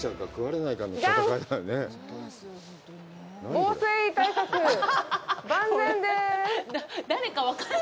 防水対策、万全でーす。